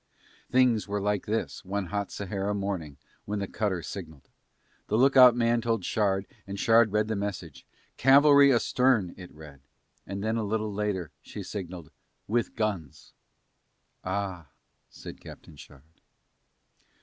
Things were like this one hot Sahara morning when the cutter signalled. The lookout man told Shard and Shard read the message, "Cavalry astern" it read, and then a little later she signalled, "With guns." "Ah," said Captain Shard.